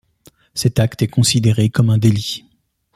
Cet acte est considéré comme un délit.